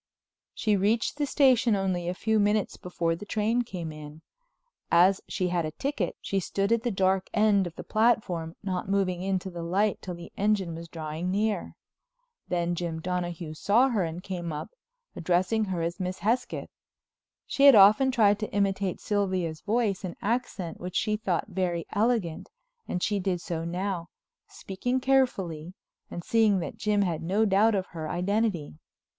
She reached the station only a few minutes before the train came in. As she had a ticket, she stood at the dark end of the platform, not moving into the light till the engine was drawing near. Then Jim Donahue saw her and came up, addressing her as Miss Hesketh. She had often tried to imitate Sylvia's voice and accent which she thought very elegant, and she did so now, speaking carefully and seeing that Jim had no doubt of her identity.